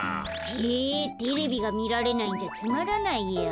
ちぇっテレビがみられないんじゃつまらないや。